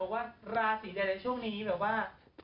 ว่าราสีใดโปรเมตต์ช่วงนี้แบบว่า